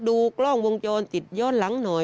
ดูกล้องวงจรปิดย้อนหลังหน่อย